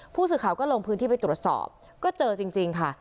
ผู้สื่อข่าวก็ลงพื้นที่ไปตรวจสอบก็เจอจริงค่ะ